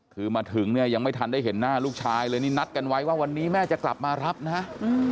คือมาถึงเนี่ยยังไม่ทันได้เห็นหน้าลูกชายเลยนี่นัดกันไว้ว่าวันนี้แม่จะกลับมารับนะฮะ